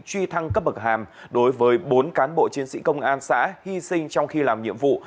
truy thăng cấp bậc hàm đối với bốn cán bộ chiến sĩ công an xã hy sinh trong khi làm nhiệm vụ